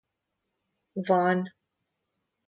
Van